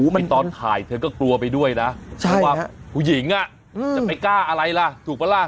ตอนถ่ายเธอก็กลัวไปด้วยนะว่าผู้หญิงจะไปกล้าอะไรล่ะถูกปะล่ะ